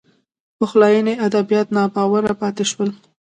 پخلاینې ادبیات ناباوره پاتې شول